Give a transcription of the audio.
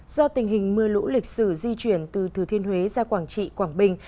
do tình hình mưa lũ lịch sử di chuyển từ thừa thiên huế ra quảng trị quảng bình